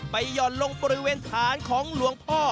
หย่อนลงบริเวณฐานของหลวงพ่อ